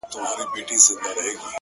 • وایم بیا به ګوندي راسي,